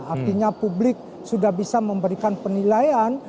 artinya publik sudah bisa memberikan penilaian